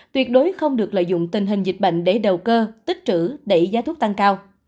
tuyệt đối không được lợi dụng tình hình dịch bệnh để đầu cơ tích trữ đẩy giá thuốc tăng cao